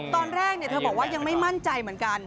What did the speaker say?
ตอนแรกเธอบอกว่ายังไม่มั่นใจเหมือนกัน